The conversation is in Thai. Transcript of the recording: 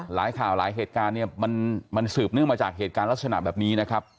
หลายข่าวหลายเหตุการณ์เนี่ยมันสืบเนื่องมาจากเหตุการณ์ลักษณะแบบนี้นะครับ